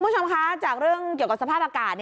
คุณผู้ชมคะจากเรื่องเกี่ยวกับสภาพอากาศ